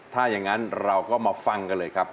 ถ้าอย่างนั้นเราก็มาฟังกันเลยครับ